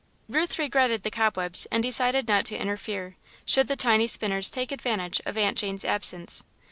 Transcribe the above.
Ruth regretted the cobwebs and decided not to interfere, should the tiny spinners take advantage of Aunt Jane's absence.